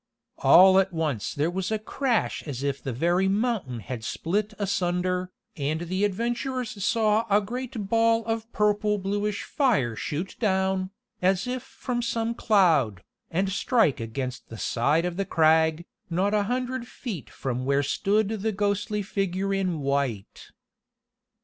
All at once there was a crash as if the very mountain had split asunder, and the adventurers saw a great ball of purple bluish fire shoot down, as if from some cloud, and strike against the side of the crag, not a hundred feet from where stood the ghostly figure in white.